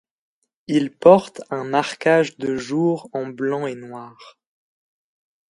Il porte un marquage de jour en blanc et noir.